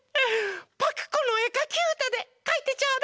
パクこのえかきうたでかいてちょうだいフフフ！